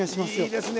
いいですね。